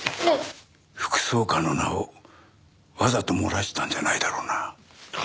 副総監の名をわざと漏らしたんじゃないだろうな？